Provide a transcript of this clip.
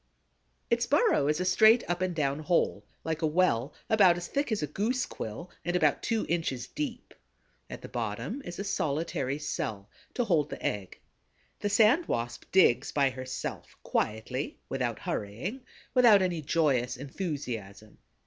Its burrow is a straight up and down hole, like a well, about as thick as a goose quill and about two inches deep. At the bottom is a solitary cell, to hold the egg. The Sand Wasp digs by herself, quietly, without hurrying, without any joyous enthusiasm.